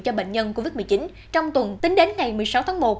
cho bệnh nhân covid một mươi chín trong tuần tính đến ngày một mươi sáu tháng một